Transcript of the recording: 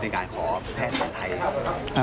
ในการขอแพทย์แพทย์ไทยครับ